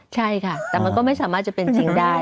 ใช่ค่ะแต่มันก็ไม่สามารถจะเป็นจริงได้